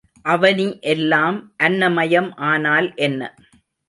அவனி எல்லாம் அன்னமயம் ஆனால் என்ன?